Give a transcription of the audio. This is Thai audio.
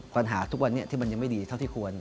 ปัญหาทุกวันนี้ที่มันยังไม่ดีเท่าที่ควร